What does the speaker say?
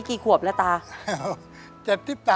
สวัสดีครับน้องเล่จากจังหวัดพิจิตรครับ